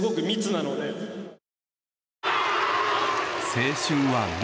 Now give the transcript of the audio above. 「青春は密」。